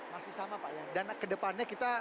masih sama pak ya dan kedepannya kita